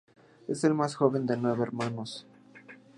Es el más joven de nueve hermanos.